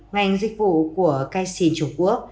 ngành dịch vụ của caixin trung quốc